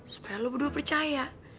supaya lo berdua percaya